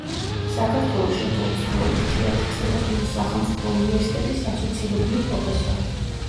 საქართველოს შოთა რუსთაველის თეატრისა და კინოს სახელმწიფო უნივერსიტეტის ასოცირებული პროფესორი.